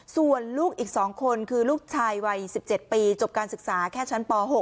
ส่วนลูกอีก๒คนคือลูกชายวัย๑๗ปีจบการศึกษาแค่ชั้นป๖